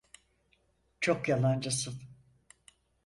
Çok yalancısın.